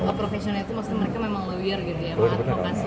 profesional itu maksudnya mereka memang lawyer gitu ya atau advokasi